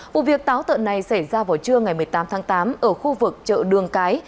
vụ việc táo tợn này xảy ra vào trưa ngày một mươi tám tháng tám ở khu vực chợ đường cái